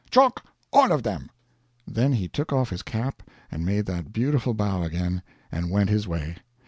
Chalk all of them." Then he took off his cap and made that beautiful bow again, and went his way.